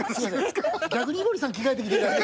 逆に井森さん着替えてきて。